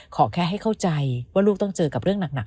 ขอแค่ให้เข้าใจว่าลูกต้องเจอกับเรื่องหนัก